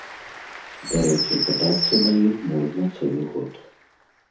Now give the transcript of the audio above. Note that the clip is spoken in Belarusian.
Дарэчы, катацца на ім можна цэлы год.